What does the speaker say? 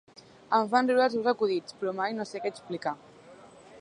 Em fan riure els seus acudits, però mai no sé què explicar.